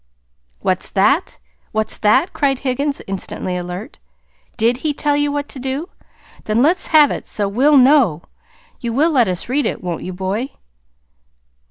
"What's that, what's that?" cried Higgins, instantly alert. "DID he tell you what to do? Then, let's have it, so WE'LL know. You will let us read it, won't you, boy?"